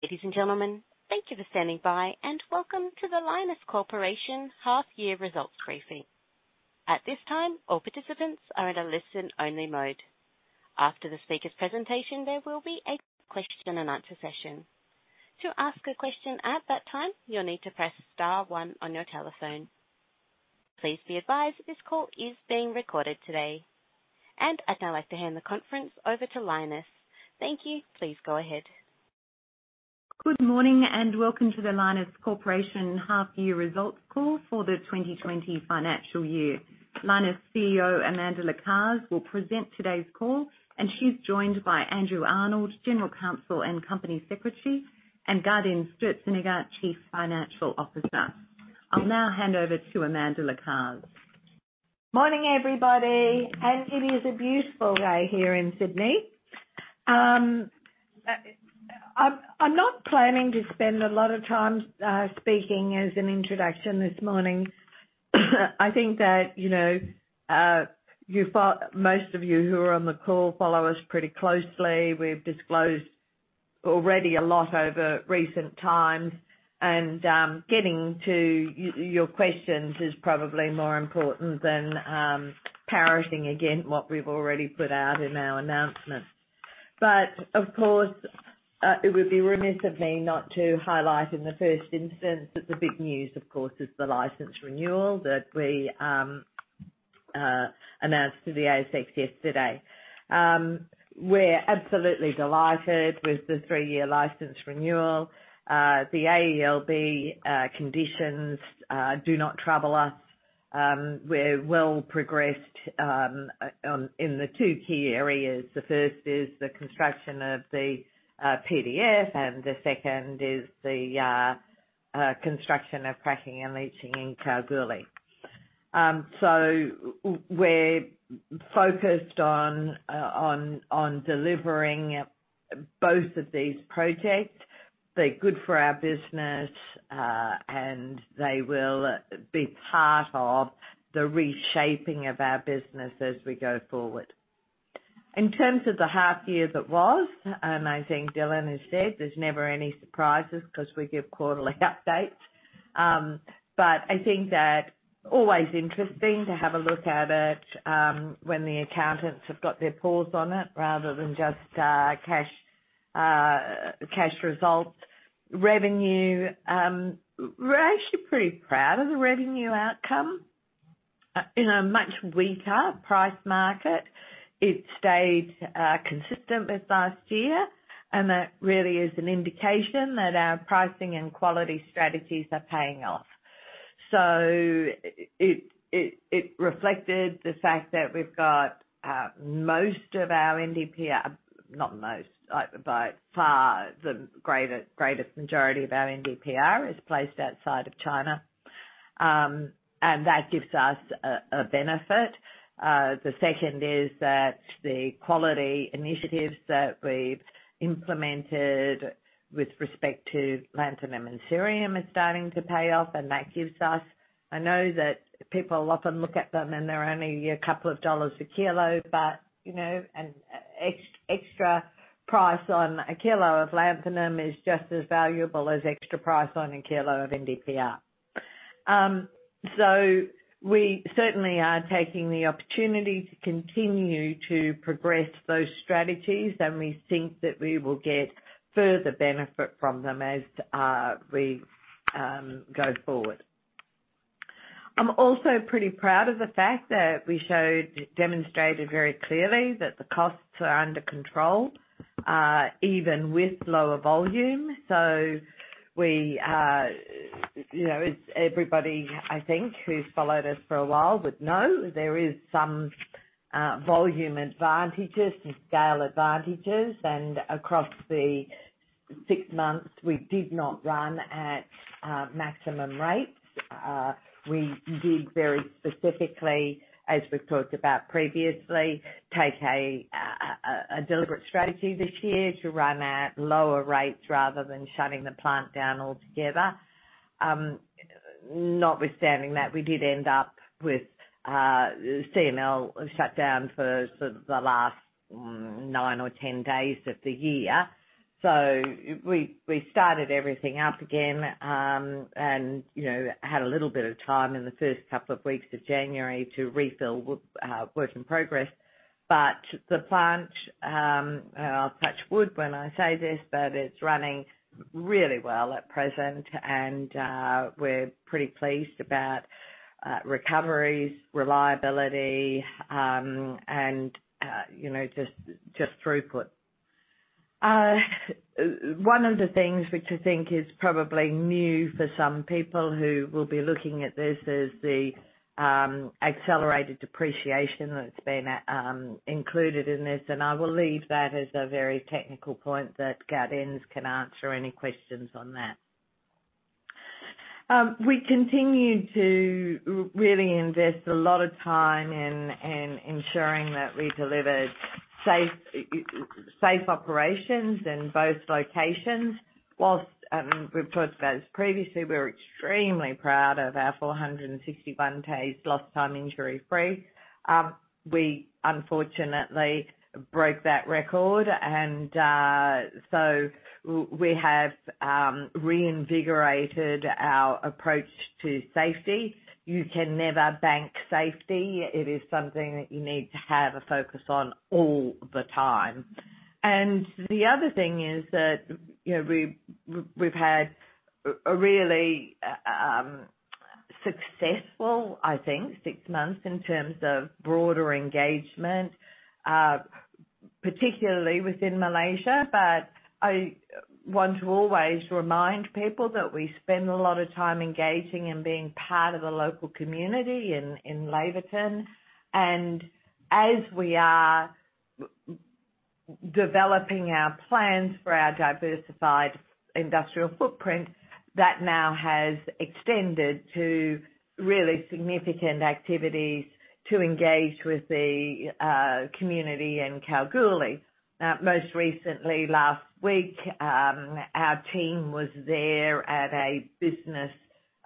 Ladies and gentlemen, thank you for standing by, and welcome to the Lynas Corporation half-year results briefing. At this time, all participants are in a listen-only mode. After the speaker's presentation, there will be a question-and-answer session. To ask a question at that time, you'll need to press star one on your telephone. Please be advised this call is being recorded today. I'd now like to hand the conference over to Lynas. Thank you. Please go ahead. Good morning, and welcome to the Lynas Corporation Half-Year Results Call for the 2020 Financial Year. Lynas CEO, Amanda Lacaze, will present today's call, and she's joined by Andrew Arnold, General Counsel and Company Secretary, and Gaudenz Sturzenegger, Chief Financial Officer. I'll now hand over to Amanda Lacaze. Morning, everybody. It is a beautiful day here in Sydney. I'm not planning to spend a lot of time speaking as an introduction this morning. I think that most of you who are on the call follow us pretty closely. We've disclosed already a lot over recent times, and getting to your questions is probably more important than parroting again what we've already put out in our announcements. Of course, it would be remiss of me not to highlight in the first instance that the big news, of course, is the license renewal that we announced to the ASX yesterday. We're absolutely delighted with the three-year license renewal. The AELB conditions do not trouble us. We're well progressed in the two key areas. The first is the construction of the PDF, and the second is the construction of cracking and leaching in Kalgoorlie. So we're focused on delivering both of these projects. They're good for our business, and they will be part of the reshaping of our business as we go forward. In terms of the half-year that was, and I think Dylan has said, there's never any surprises because we give quarterly updates. But I think that's always interesting to have a look at it when the accountants have got their paws on it rather than just cash results. Revenue, we're actually pretty proud of the revenue outcome. In a much weaker price market, it stayed consistent with last year, and that really is an indication that our pricing and quality strategies are paying off. So it reflected the fact that we've got most of our NdPr—not most, but far the greatest majority of our NdPr is placed outside of China, and that gives us a benefit. The second is that the quality initiatives that we've implemented with respect to lanthanum and cerium are starting to pay off, and that gives us, I know that people often look at them and they're only a couple of dollars a kilo, but an extra price on a kilo of lanthanum is just as valuable as extra price on a kilo of NdPr. So we certainly are taking the opportunity to continue to progress those strategies, and we think that we will get further benefit from them as we go forward. I'm also pretty proud of the fact that we demonstrated very clearly that the costs are under control even with lower volume. So everybody, I think, who's followed us for a while would know there is some volume advantages and scale advantages. And across the six months, we did not run at maximum rates. We did very specifically, as we've talked about previously, take a deliberate strategy this year to run at lower rates rather than shutting the plant down altogether. Notwithstanding that, we did end up with C&L shut down for sort of the last nine or 10 days of the year. So we started everything up again and had a little bit of time in the first couple of weeks of January to refill work in progress. But the plant—and I'll touch wood when I say this—but it's running really well at present, and we're pretty pleased about recoveries, reliability, and just throughput. One of the things which I think is probably new for some people who will be looking at this is the accelerated depreciation that's been included in this, and I will leave that as a very technical point that Gaudenz can answer any questions on that. We continue to really invest a lot of time in ensuring that we deliver safe operations in both locations. While we've talked about this previously, we're extremely proud of our 461 days lost time injury-free. We, unfortunately, broke that record, and so we have reinvigorated our approach to safety. You can never bank safety. It is something that you need to have a focus on all the time. And the other thing is that we've had a really successful, I think, six months in terms of broader engagement, particularly within Malaysia. But I want to always remind people that we spend a lot of time engaging and being part of the local community in Laverton. And as we are developing our plans for our diversified industrial footprint, that now has extended to really significant activities to engage with the community in Kalgoorlie. Most recently, last week, our team was there at a business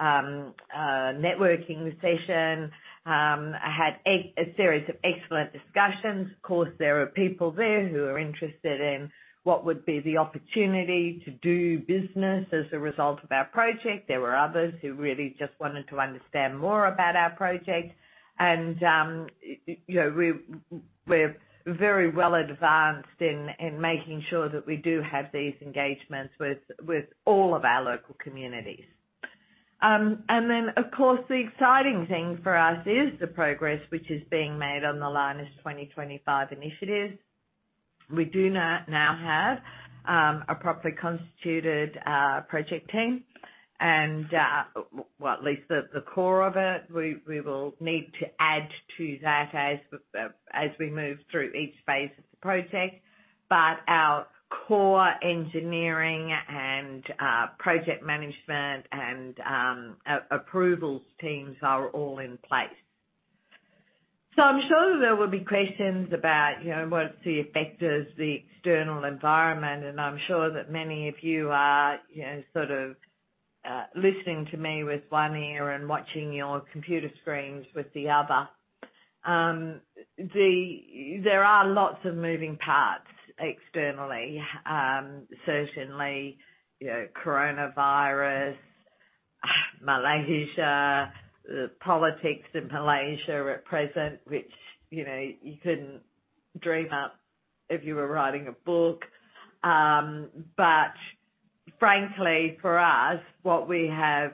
networking session. I had a series of excellent discussions. Of course, there are people there who are interested in what would be the opportunity to do business as a result of our project. There were others who really just wanted to understand more about our project. And we're very well advanced in making sure that we do have these engagements with all of our local communities. And then, of course, the exciting thing for us is the progress which is being made on the Lynas 2025 initiative. We do now have a properly constituted project team, and well, at least the core of it. We will need to add to that as we move through each phase of the project. But our core engineering and project management and approvals teams are all in place. So I'm sure that there will be questions about what's the effect of the external environment, and I'm sure that many of you are sort of listening to me with one ear and watching your computer screens with the other. There are lots of moving parts externally. Certainly, coronavirus, Malaysia, the politics in Malaysia at present, which you couldn't dream up if you were writing a book. But frankly, for us, what we have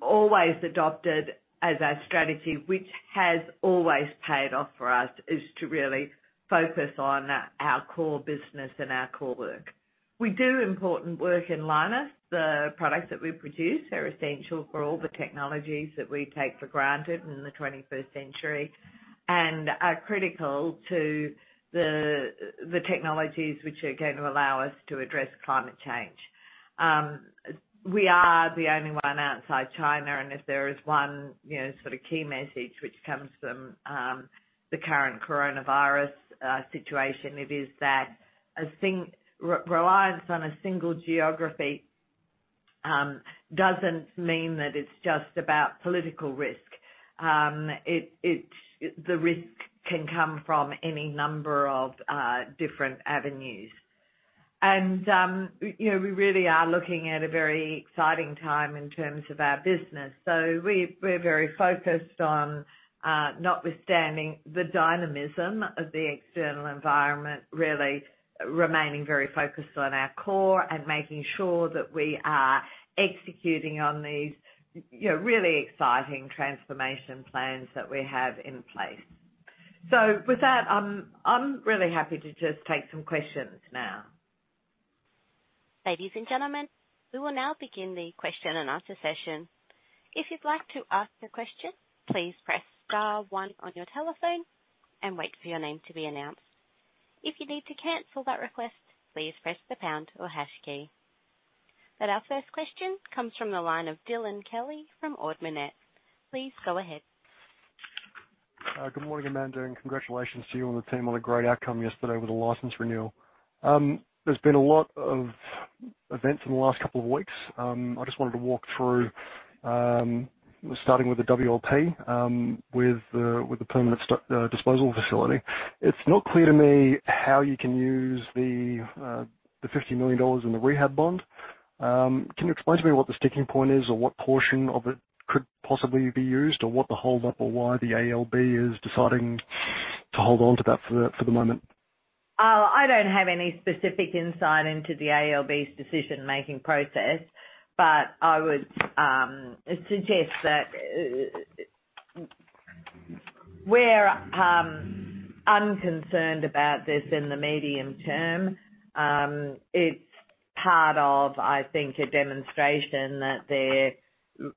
always adopted as our strategy, which has always paid off for us, is to really focus on our core business and our core work. We do important work in Lynas. The products that we produce are essential for all the technologies that we take for granted in the 21st century and are critical to the technologies which are going to allow us to address climate change. We are the only one outside China, and if there is one sort of key message which comes from the current coronavirus situation, it is that reliance on a single geography doesn't mean that it's just about political risk. The risk can come from any number of different avenues. We really are looking at a very exciting time in terms of our business. We're very focused on notwithstanding the dynamism of the external environment, really remaining very focused on our core and making sure that we are executing on these really exciting transformation plans that we have in place. With that, I'm really happy to just take some questions now. Ladies and gentlemen, we will now begin the question and answer session. If you'd like to ask a question, please press star one on your telephone and wait for your name to be announced. If you need to cancel that request, please press the pound or hash key. But our first question comes from the line of Dylan Kelly from Ord Minnett. Please go ahead. Good morning, Amanda, and congratulations to you and the team on a great outcome yesterday with the license renewal. There's been a lot of events in the last couple of weeks. I just wanted to walk through, starting with the WLP, with the Permanent Disposal Facility. It's not clear to me how you can use the $50 million in the rehab bond. Can you explain to me what the sticking point is or what portion of it could possibly be used or what to hold up or why the AELB is deciding to hold on to that for the moment? I don't have any specific insight into the AELB's decision-making process, but I would suggest that we're unconcerned about this in the medium term. It's part of, I think, a demonstration that there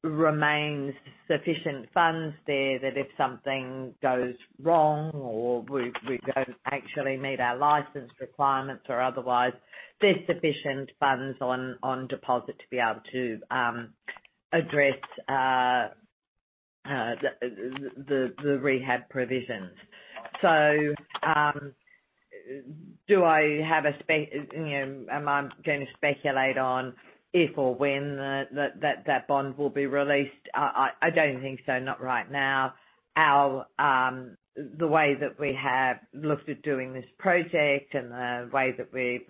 remains sufficient funds there that if something goes wrong or we don't actually meet our license requirements or otherwise, there's sufficient funds on deposit to be able to address the rehab provisions. So am I going to speculate on if or when that bond will be released? I don't think so, not right now. The way that we have looked at doing this project and the way that we've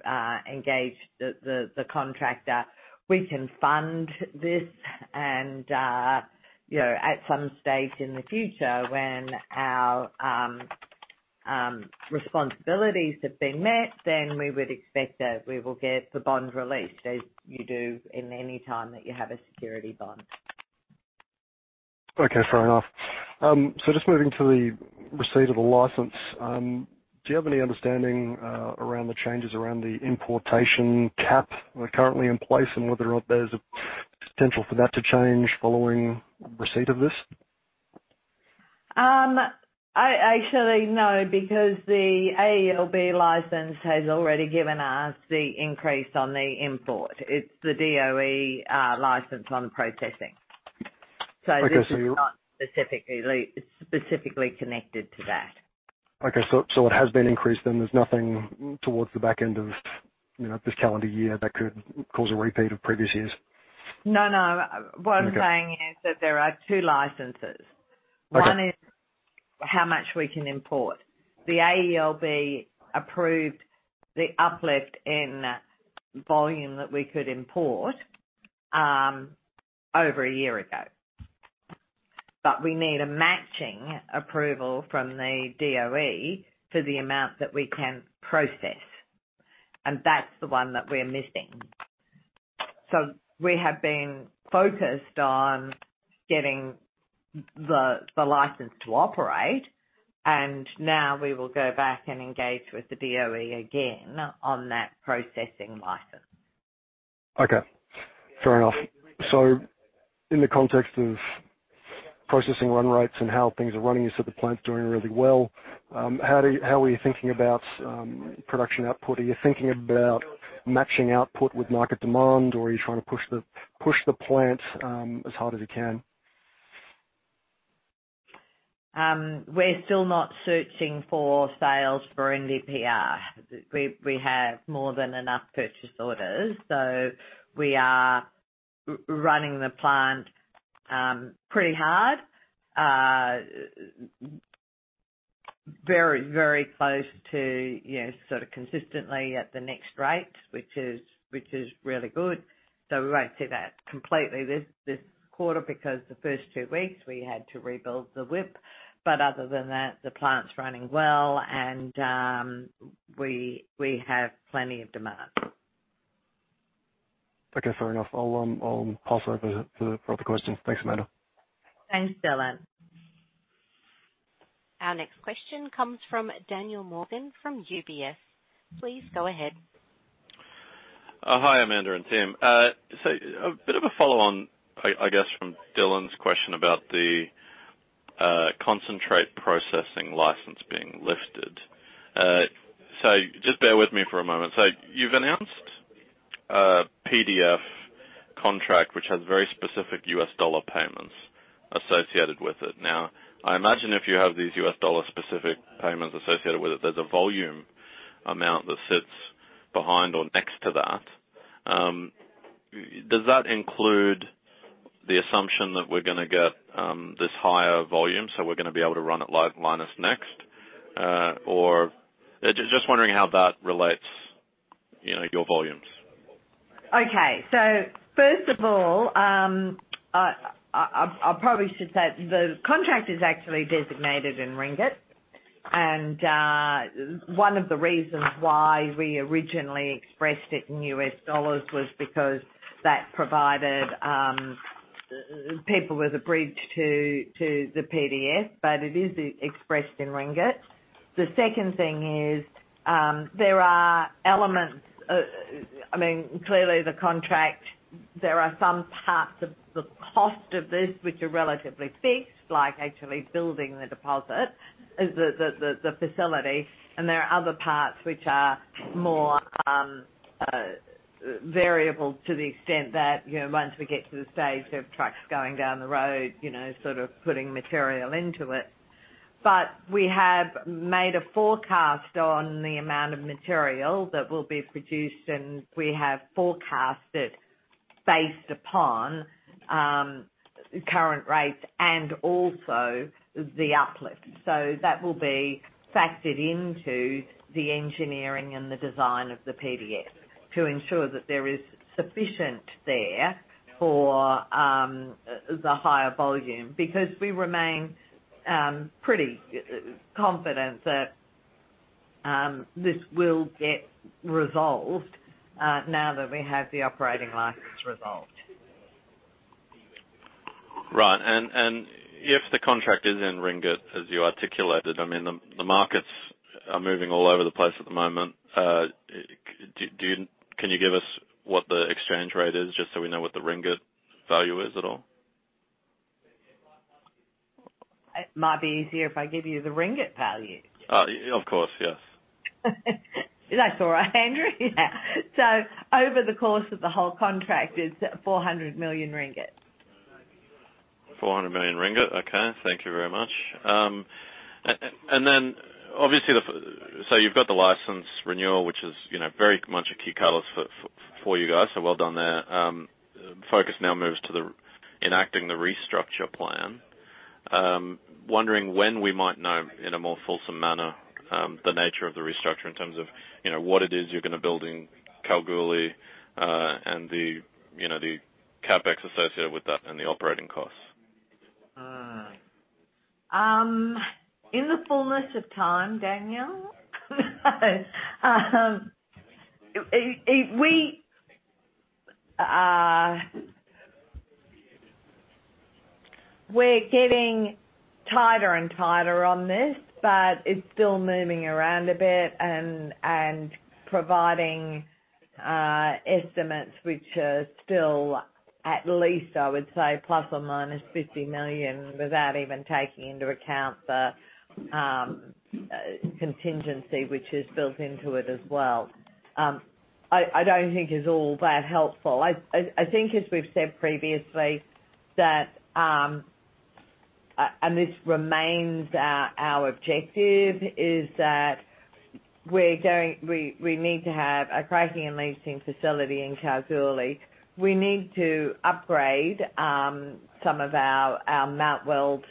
engaged the contractor, we can fund this. And at some stage in the future, when our responsibilities have been met, then we would expect that we will get the bond released as you do in any time that you have a security bond. Okay, fair enough. So just moving to the receipt of the license, do you have any understanding around the changes around the importation cap that are currently in place and whether or not there's a potential for that to change following receipt of this? Actually, no, because the AELB license has already given us the increase on the import. It's the DOE license on processing. So this is not specifically connected to that. Okay, so it has been increased, and there's nothing towards the back end of this calendar year that could cause a repeat of previous years? No, no. What I'm saying is that there are two licenses. One is how much we can import. The AELB approved the uplift in volume that we could import over a year ago, but we need a matching approval from the DOE for the amount that we can process. And that's the one that we're missing. So we have been focused on getting the license to operate, and now we will go back and engage with the DOE again on that processing license. Okay, fair enough. So in the context of processing run rates and how things are running, you said the plant's doing really well. How are you thinking about production output? Are you thinking about matching output with market demand, or are you trying to push the plant as hard as you can? We're still not searching for sales for NdPr. We have more than enough purchase orders, so we are running the plant pretty hard, very, very close to sort of consistently at the nameplate rate, which is really good. So we won't see that completely this quarter because the first two weeks we had to rebuild the WLP. But other than that, the plant's running well, and we have plenty of demand. Okay, fair enough. I'll pass over for the questions. Thanks, Amanda. Thanks, Dylan. Our next question comes from Daniel Morgan from UBS. Please go ahead. Hi, Amanda and team. So a bit of a follow-on, I guess, from Dylan's question about the concentrate processing license being lifted. So just bear with me for a moment. So you've announced a PDF contract which has very specific U.S. dollar payments associated with it. Now, I imagine if you have these U.S. dollar-specific payments associated with it, there's a volume amount that sits behind or next to that. Does that include the assumption that we're going to get this higher volume, so we're going to be able to run at Lynas next? Or just wondering how that relates your volumes? Okay, so first of all, I probably should say the contract is actually designated in Ringgit. And one of the reasons why we originally expressed it in U.S. dollars was because that provided people with a bridge to the PDF, but it is expressed in Ringgit. The second thing is there are elements. I mean, clearly, the contract, there are some parts of the cost of this which are relatively fixed, like actually building the disposal, the facility. And there are other parts which are more variable to the extent that once we get to the stage of trucks going down the road, sort of putting material into it. But we have made a forecast on the amount of material that will be produced, and we have forecast it based upon current rates and also the uplift. So that will be factored into the engineering and the design of the PDF to ensure that there is sufficient there for the higher volume because we remain pretty confident that this will get resolved now that we have the operating license resolved. Right. If the contract is in Ringgit, as you articulated, I mean, the markets are moving all over the place at the moment. Can you give us what the exchange rate is just so we know what the Ringgit value is at all? It might be easier if I give you the Ringgit value. Of course, yes. That's all right, Andrew. So over the course of the whole contract, it's 400 million ringgit. 400 million ringgit. Okay, thank you very much. And then, obviously, so you've got the license renewal, which is very much a key catalyst for you guys, so well done there. Focus now moves to enacting the restructure plan. Wondering when we might know in a more fulsome manner the nature of the restructure in terms of what it is you're going to build in Kalgoorlie and the CapEx associated with that and the operating costs. In the fullness of time, Daniel, we're getting tighter and tighter on this, but it's still moving around a bit and providing estimates which are still, at least, I would say, ± 50 million without even taking into account the contingency which is built into it as well. I don't think it's all that helpful. I think, as we've said previously, that—and this remains our objective—is that we need to have a cracking and leaching facility in Kalgoorlie. We need to upgrade some of our Mt Weld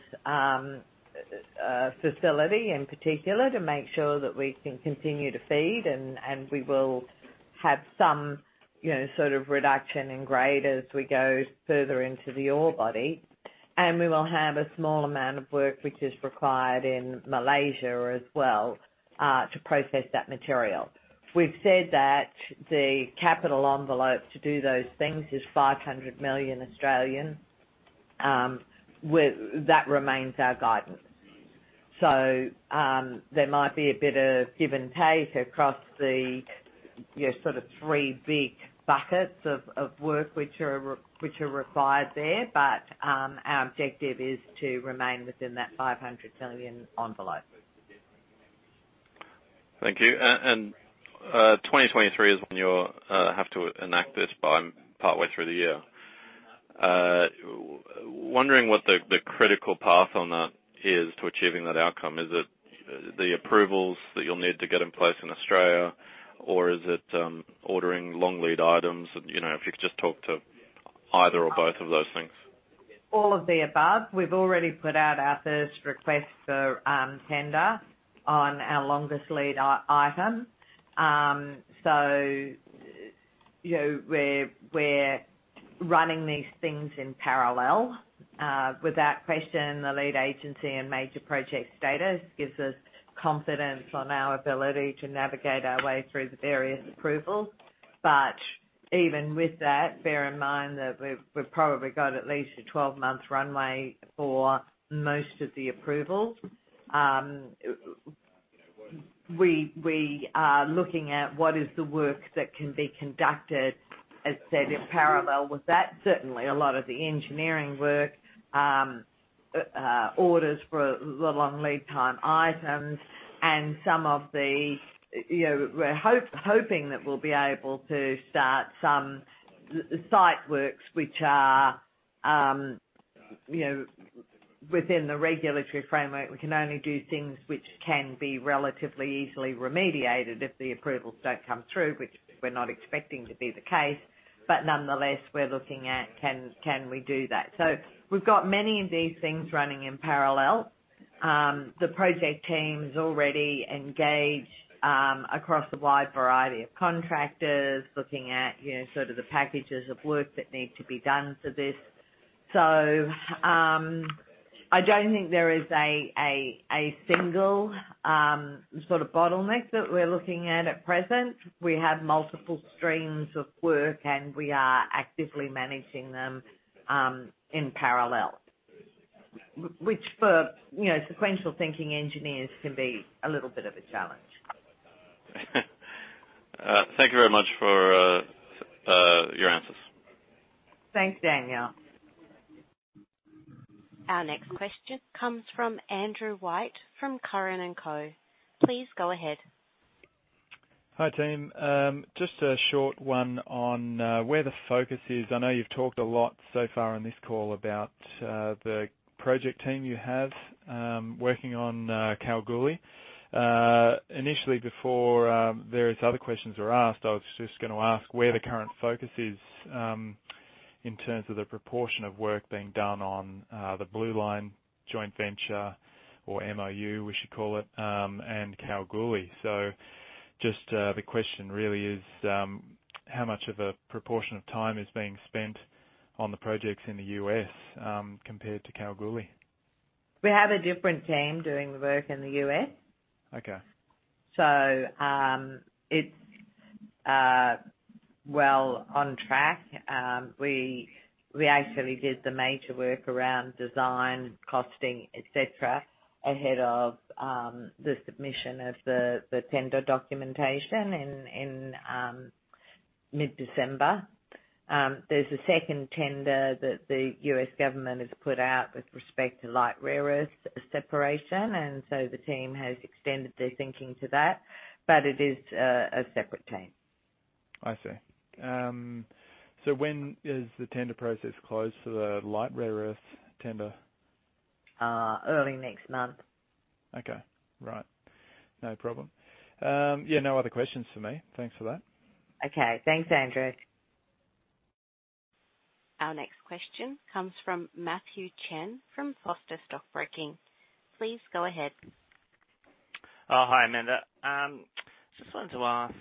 facility in particular to make sure that we can continue to feed, and we will have some sort of reduction in grade as we go further into the ore body. And we will have a small amount of work which is required in Malaysia as well to process that material. We've said that the capital envelope to do those things is 500 million. That remains our guidance. So there might be a bit of give and take across the sort of three big buckets of work which are required there, but our objective is to remain within that 500 million envelope. Thank you. 2023 is when you'll have to enact this by partway through the year. Wondering what the critical path on that is to achieving that outcome. Is it the approvals that you'll need to get in place in Australia, or is it ordering long lead items? If you could just talk to either or both of those things. All of the above. We've already put out our first request for tender on our longest lead item. So we're running these things in parallel. Without question, the lead agency and major project status gives us confidence on our ability to navigate our way through the various approvals. But even with that, bear in mind that we've probably got at least a 12-month runway for most of the approvals. We are looking at what is the work that can be conducted, as said, in parallel with that. Certainly, a lot of the engineering work, orders for the long lead time items, and some of the, we're hoping that we'll be able to start some site works which are within the regulatory framework. We can only do things which can be relatively easily remediated if the approvals don't come through, which we're not expecting to be the case. But nonetheless, we're looking at can we do that. So we've got many of these things running in parallel. The project team's already engaged across a wide variety of contractors looking at sort of the packages of work that need to be done for this. So I don't think there is a single sort of bottleneck that we're looking at at present. We have multiple streams of work, and we are actively managing them in parallel, which for sequential thinking engineers can be a little bit of a challenge. Thank you very much for your answers. Thanks, Daniel. Our next question comes from Andrew White from Curran & Co. Please go ahead. Hi, team. Just a short one on where the focus is. I know you've talked a lot so far on this call about the project team you have working on Kalgoorlie. Initially, before various other questions are asked, I was just going to ask where the current focus is in terms of the proportion of work being done on the Blue Line Joint Venture, or MOU we should call it, and Kalgoorlie. So just the question really is how much of a proportion of time is being spent on the projects in the U.S. compared to Kalgoorlie? We have a different team doing the work in the U.S. It's well on track. We actually did the major work around design, costing, etc., ahead of the submission of the tender documentation in mid-December. There's a second tender that the U.S. government has put out with respect to light rare earth separation, and so the team has extended their thinking to that, but it is a separate team. I see. So when is the tender process closed for the light rare earth tender? Early next month. Okay, right. No problem. Yeah, no other questions for me. Thanks for that. Okay, thanks, Andrew. Our next question comes from Matthew Chen from Foster Stockbroking. Please go ahead. Hi, Amanda. Just wanted to ask,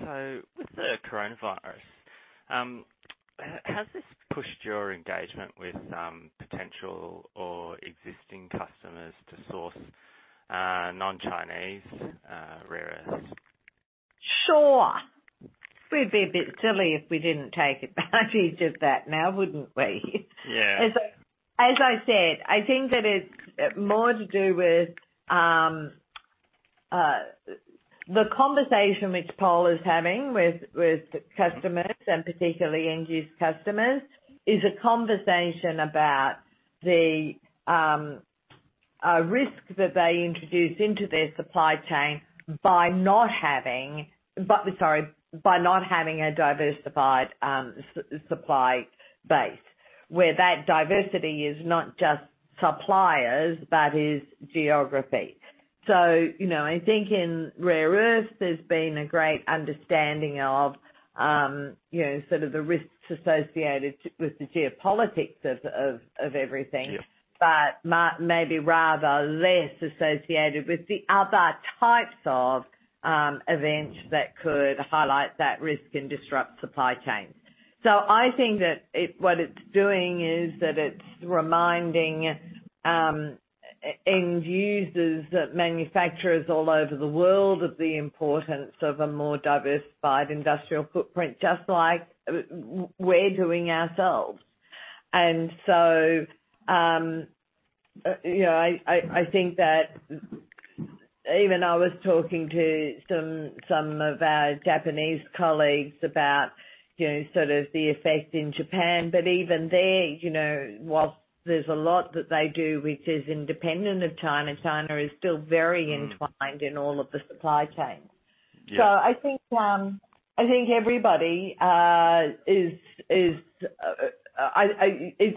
so with the coronavirus, has this pushed your engagement with potential or existing customers to source non-Chinese rare earths? Sure. We'd be a bit silly if we didn't take advantage of that now, wouldn't we? Yeah. As I said, I think that it's more to do with the conversation which Pol is having with customers, and particularly end-use customers, is a conversation about the risk that they introduce into their supply chain by not having, sorry, by not having a diversified supply base, where that diversity is not just suppliers but is geography. So I think in rare earth, there's been a great understanding of sort of the risks associated with the geopolitics of everything, but maybe rather less associated with the other types of events that could highlight that risk and disrupt supply chains. So I think that what it's doing is that it's reminding end users, manufacturers all over the world, of the importance of a more diversified industrial footprint, just like we're doing ourselves. And so I think that even I was talking to some of our Japanese colleagues about sort of the effect in Japan, but even there, while there's a lot that they do which is independent of China, China is still very entwined in all of the supply chains. So I think everybody is, it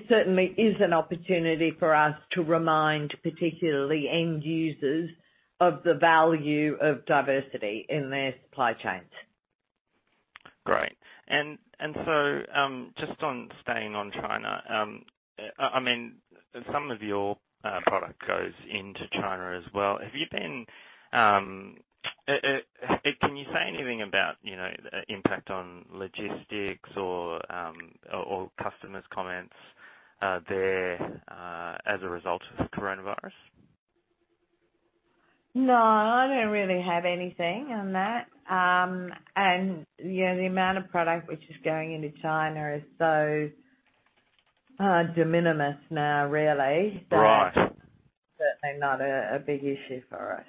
certainly is an opportunity for us to remind particularly end users of the value of diversity in their supply chains. Great. And so just on staying on China, I mean, some of your product goes into China as well. Have you been - can you say anything about the impact on logistics or customers' comments there as a result of coronavirus? No, I don't really have anything on that. The amount of product which is going into China is so de minimis now, really, that it's certainly not a big issue for us.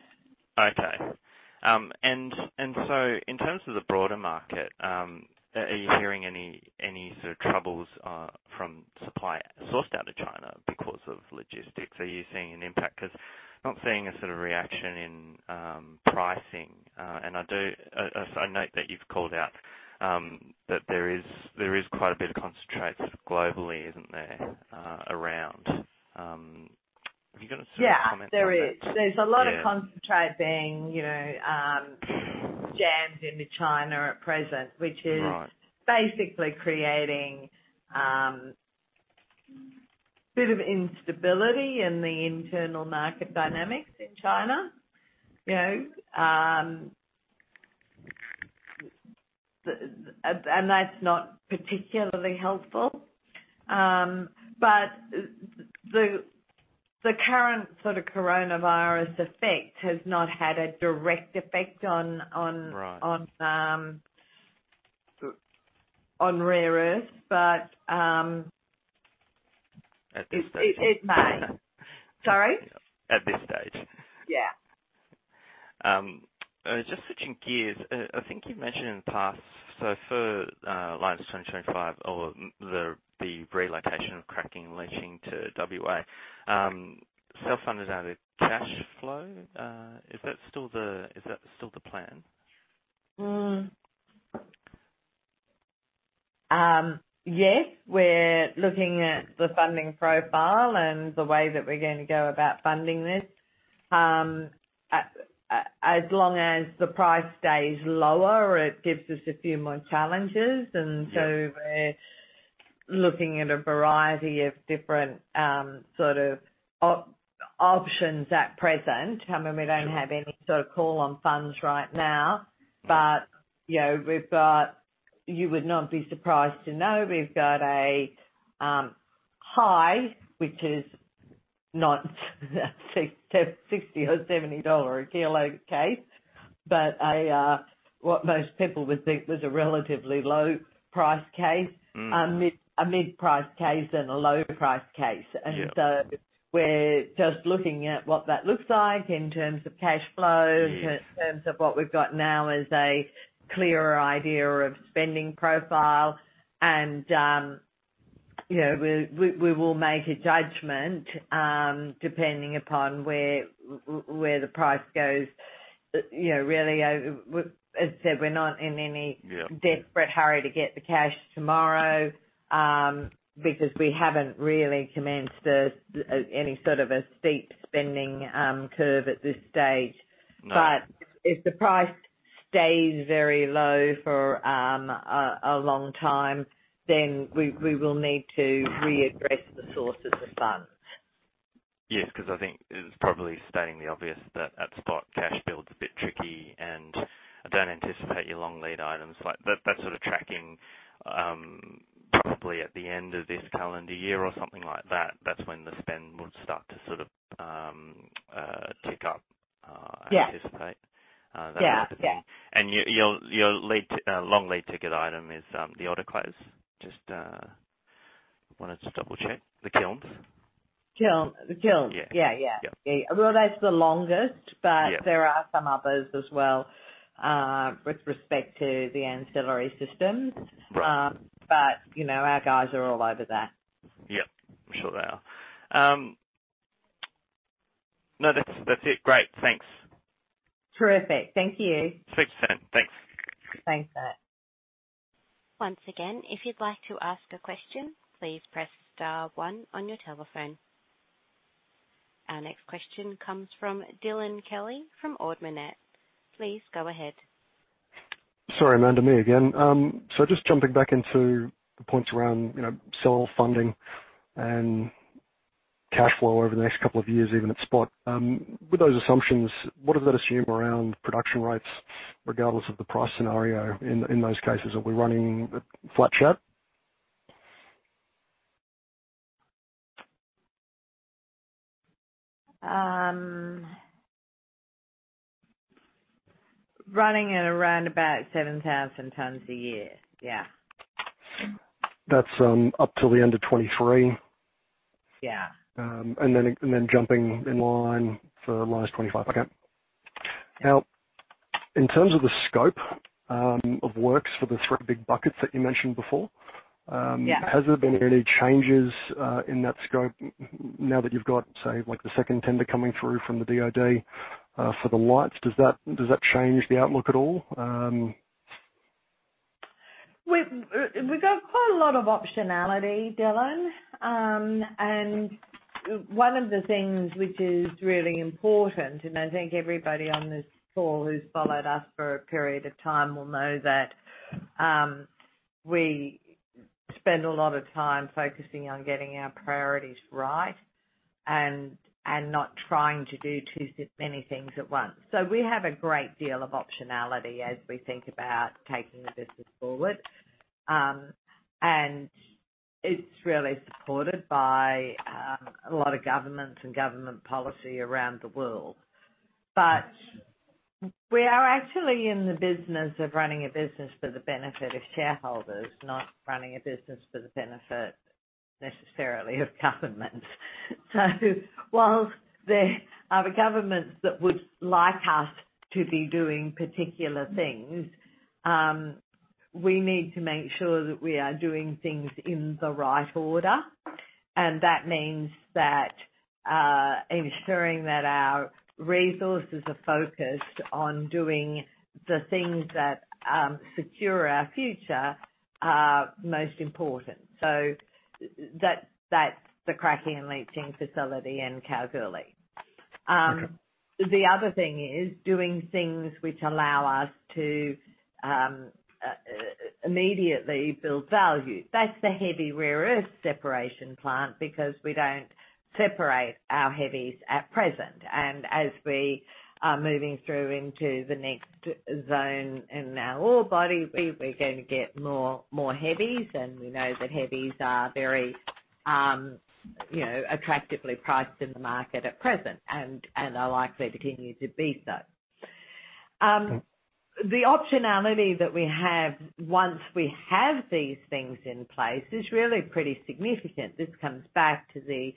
Okay. So in terms of the broader market, are you hearing any sort of troubles from supply sourced out of China because of logistics? Are you seeing an impact? Because I'm not seeing a sort of reaction in pricing. And I note that you've called out that there is quite a bit of concentrates globally, isn't there, around? Have you got a sort of comment on that? Yes, there is. There's a lot of concentrate being jammed into China at present, which is basically creating a bit of instability in the internal market dynamics in China. That's not particularly helpful. The current sort of coronavirus effect has not had a direct effect on rare earth, but it may. Sorry? At this stage. Yeah. Just switching gears, I think you've mentioned in the past, so for Lynas 2025 or the relocation of cracking and leaching to WA, self-funded out of cash flow, is that still the plan? Yes. We're looking at the funding profile and the way that we're going to go about funding this. As long as the price stays lower, it gives us a few more challenges. And so we're looking at a variety of different sort of options at present. I mean, we don't have any sort of call on funds right now, but you would not be surprised to know we've got a high, which is not a $60 or $70 a kilo case, but a—what most people would think was a relatively low price case, a mid-price case, and a low price case. And so we're just looking at what that looks like in terms of cash flow, in terms of what we've got now as a clearer idea of spending profile. And we will make a judgment depending upon where the price goes. Really, as I said, we're not in any desperate hurry to get the cash tomorrow because we haven't really commenced any sort of a steep spending curve at this stage. But if the price stays very low for a long time, then we will need to readdress the sources of funds. Yes, because I think it's probably stating the obvious that at spot, cash builds a bit tricky, and I don't anticipate your long lead items. That sort of tracking, probably at the end of this calendar year or something like that, that's when the spend will start to sort of tick up, I anticipate. That sort of thing. And your long lead ticket item is the autoclaves. Just wanted to double-check. The kilns. Kilns. Yeah, yeah. Well, that's the longest, but there are some others as well with respect to the ancillary systems. But our guys are all over that. Yep. I'm sure they are. No, that's it. Great. Thanks. Terrific. Thank you. Sweet percent. Thanks. Thanks, Matt. Once again, if you'd like to ask a question, please press star one on your telephone. Our next question comes from Dylan Kelly from Ord Minnett. Please go ahead. Sorry, Amanda, me again. Just jumping back into the points around self-funding and cash flow over the next couple of years, even at spot. With those assumptions, what does that assume around production rights regardless of the price scenario in those cases? Are we running flat shut? Running at around about 7,000 tons a year. Yeah. That's up till the end of 2023? Yeah. Then jumping in line for Lynas 2025. Okay. Now, in terms of the scope of works for the three big buckets that you mentioned before, has there been any changes in that scope now that you've got, say, the second tender coming through from the DOD for the lights? Does that change the outlook at all? We've got quite a lot of optionality, Dylan. And one of the things which is really important, and I think everybody on this call who's followed us for a period of time will know that we spend a lot of time focusing on getting our priorities right and not trying to do too many things at once. So we have a great deal of optionality as we think about taking the business forward. And it's really supported by a lot of governments and government policy around the world. But we are actually in the business of running a business for the benefit of shareholders, not running a business for the benefit necessarily of governments. So while there are governments that would like us to be doing particular things, we need to make sure that we are doing things in the right order. And that means that ensuring that our resources are focused on doing the things that secure our future are most important. So that's the cracking and leaching facility and Kalgoorlie. The other thing is doing things which allow us to immediately build value. That's the heavy rare earth separation plant because we don't separate our heavies at present. And as we are moving through into the next zone in our ore body, we're going to get more heavies, and we know that heavies are very attractively priced in the market at present and are likely to continue to be so. The optionality that we have once we have these things in place is really pretty significant. This comes back to the,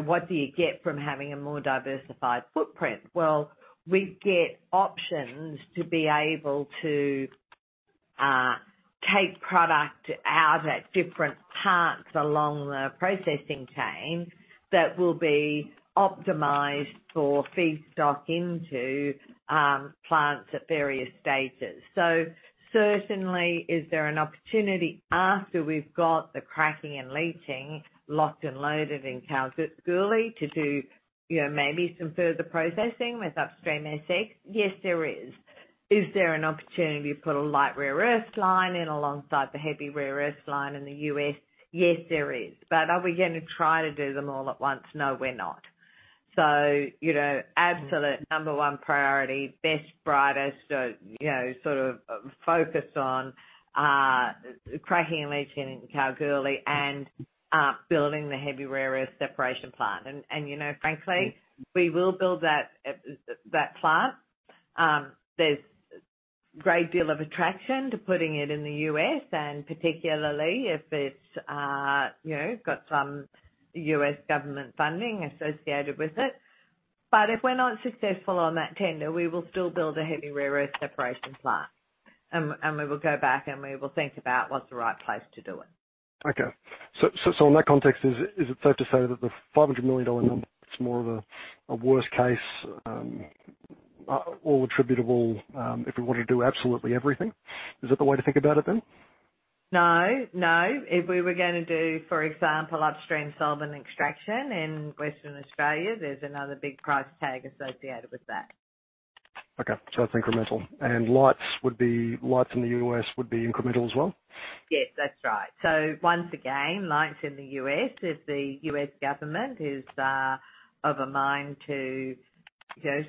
what do you get from having a more diversified footprint? Well, we get options to be able to take product out at different parts along the processing chain that will be optimized for feedstock into plants at various stages. So certainly, is there an opportunity after we've got the cracking and leaching locked and loaded in Kalgoorlie, to do maybe some further processing with Upstream SX? Yes, there is. Is there an opportunity to put a light rare earth line in alongside the heavy rare earth line in the U.S.? Yes, there is. But are we going to try to do them all at once? No, we're not. So absolute number one priority, best, brightest sort of focus on cracking and leaching in Kalgoorlie, and building the heavy rare earth separation plant. And frankly, we will build that plant. There's a great deal of attraction to putting it in the U.S., and particularly if it's got some U.S. government funding associated with it. But if we're not successful on that tender, we will still build a heavy rare earth separation plant. And we will go back, and we will think about what's the right place to do it. Okay. So in that context, is it safe to say that the 500 million dollar number, it's more of a worst case all attributable if we want to do absolutely everything? Is that the way to think about it then? No. No. If we were going to do, for example, Upstream Solvent Extraction in Western Australia, there's another big price tag associated with that. Okay. So that's incremental. And lights in the U.S. would be incremental as well? Yes, that's right. So once again, lights in the U.S., if the U.S. government is of a mind to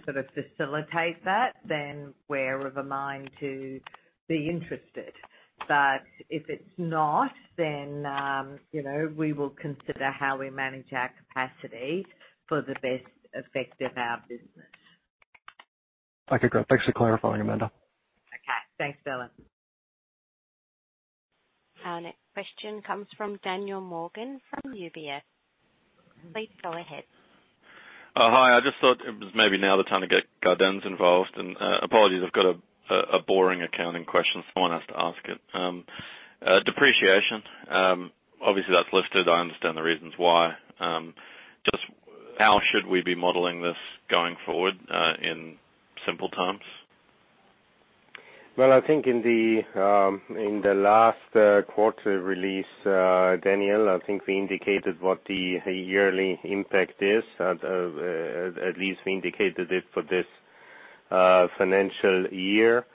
sort of facilitate that, then we're of a mind to be interested. But if it's not, then we will consider how we manage our capacity for the best effect of our business. Okay. Great. Thanks for clarifying, Amanda. Okay. Thanks, Dylan. Our next question comes from Daniel Morgan from UBS. Please go ahead. Hi. I just thought it was maybe now the time to get Gaudenz involved. Apologies, I've got a boring accounting question. Someone has to ask it. Depreciation, obviously, that's listed. I understand the reasons why. Just how should we be modeling this going forward in simple terms? Well, I think in the last quarter release, Daniel, I think we indicated what the yearly impact is. At least we indicated it for this financial year.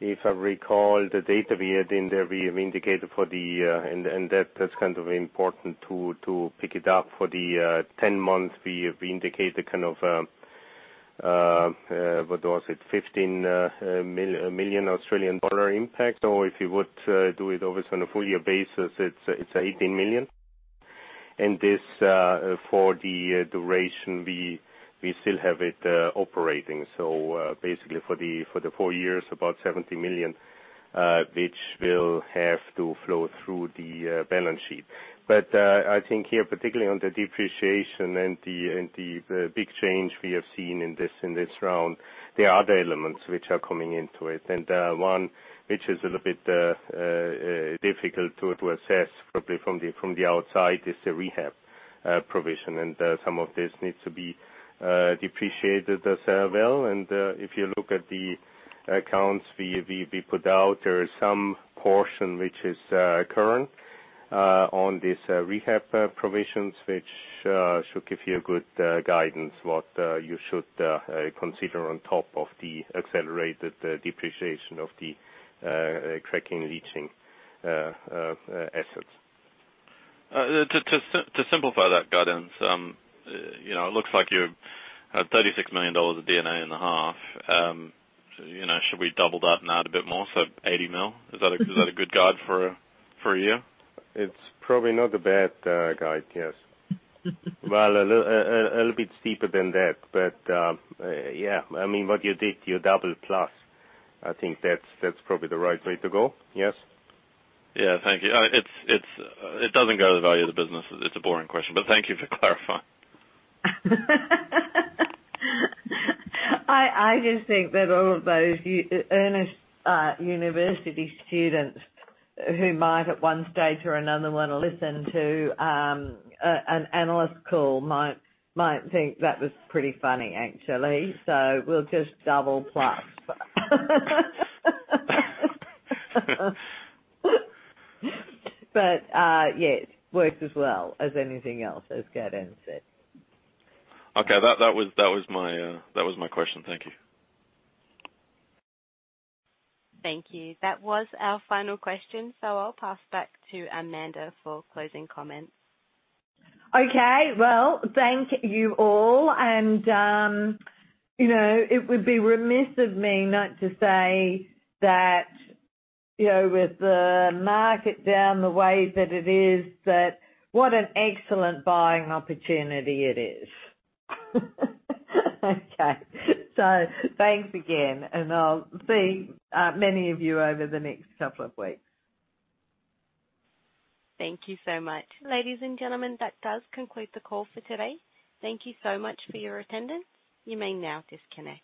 If I recall the data we had in there, we have indicated for the—and that's kind of important to pick it up—for the 10 months, we have indicated kind of, what was it, 15 million Australian dollar impact. So if you would do it always on a full year basis, it's 18 million. And this for the duration, we still have it operating. So basically, for the four years, about 70 million, which will have to flow through the balance sheet. But I think here, particularly on the depreciation and the big change we have seen in this round, there are other elements which are coming into it. And one which is a little bit difficult to assess, probably from the outside, is the rehab provision. And some of this needs to be depreciated as well. And if you look at the accounts we put out, there is some portion which is current on these rehab provisions, which should give you good guidance on what you should consider on top of the accelerated depreciation of the cracking and leaching assets. To simplify that, Gaudenz, it looks like you have 36 million dollars of EBITDA in the half. Should we double that and add a bit more, so 80 million? Is that a good guide for a year? It's probably not a bad guide, yes. Well, a little bit steeper than that. But yeah, I mean, what you did, your double plus, I think that's probably the right way to go. Yes? Yeah. Thank you. It doesn't go to the value of the business. It's a boring question, but thank you for clarifying. I just think that all of those earnest university students who might, at one stage or another one, listen to an analyst call might think that was pretty funny, actually. So we'll just double plus. But yes, it works as well as anything else, as Gaudenz said. Okay. That was my question. Thank you. Thank you. That was our final question. So I'll pass back to Amanda for closing comments. Okay. Well, thank you all. It would be remiss of me not to say that with the market down the way that it is, that what an excellent buying opportunity it is. Okay. Thanks again. I'll see many of you over the next couple of weeks. Thank you so much. Ladies and gentlemen, that does conclude the call for today. Thank you so much for your attendance. You may now disconnect.